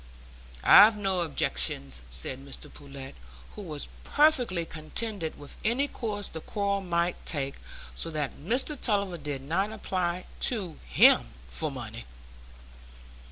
"I've no objections," said Mr Pullet, who was perfectly contented with any course the quarrel might take, so that Mr Tulliver did not apply to him for money.